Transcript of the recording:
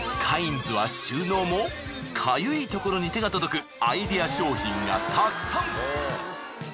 カインズは収納もかゆいところに手が届くアイデア商品がたくさん。